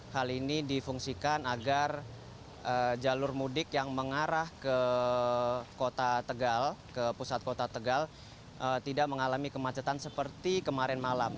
hal ini difungsikan agar jalur mudik yang mengarah ke kota tegal ke pusat kota tegal tidak mengalami kemacetan seperti kemarin malam